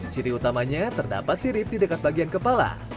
ciri utamanya terdapat sirip di dekat bagian kepala